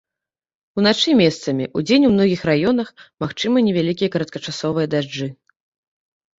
Уначы месцамі, удзень у многіх раёнах магчымыя невялікія кароткачасовыя дажджы.